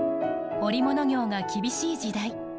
織物業が厳しい時代。